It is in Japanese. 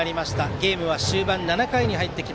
ゲームは終盤、７回です。